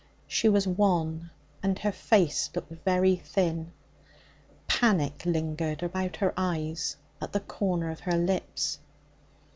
She was wan, and her face looked very thin. Panic lingered about her eyes, at the corner of her lips.